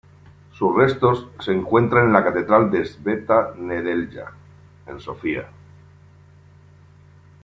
Sus restos se encuentran en la Catedral de Sveta-Nedelya, en Sofía.